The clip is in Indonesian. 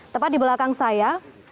tepat di belakang saya